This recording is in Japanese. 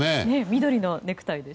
緑のネクタイで。